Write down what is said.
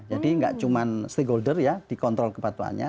jadi nggak cuma stakeholder ya dikontrol kepatuhannya